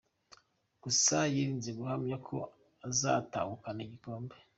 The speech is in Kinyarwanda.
Gusa yirinze guhamya ko azatahukana igikombe.